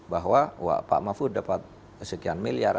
bahwa pak mahfud dapat sekian miliar